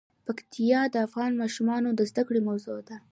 پکتیکا د افغان ماشومانو د زده کړې موضوع ده.